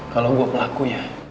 kalau gua pelakunya